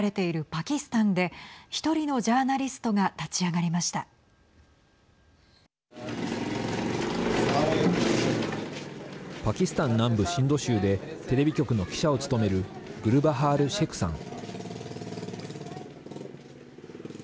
パキスタン南部シンド州でテレビ局の記者を務めるグルバハール・シェクさん。